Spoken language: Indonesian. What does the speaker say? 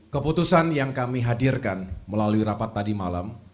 keputusan yang kami hadirkan melalui rapat tadi malam